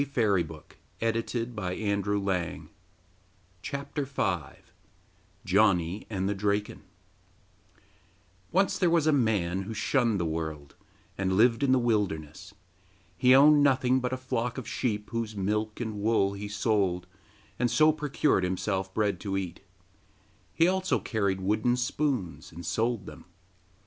[Marehen und Gedichte aus der Stadt Tripolis,] Janni and the Draken Once there was a man who shunned the world, and lived in the wilderness. He owned nothing but a flock of sheep, whose milk and wool he sold, and so procured himself bread to eat; he also carried wooden spoons, and sold them.